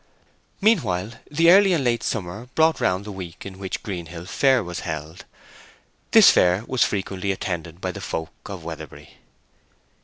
Meanwhile the early and the late summer brought round the week in which Greenhill Fair was held. This fair was frequently attended by the folk of Weatherbury.